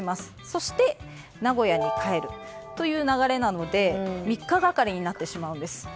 そして、名古屋に帰るという流れなので３日がかりになってしまうんです。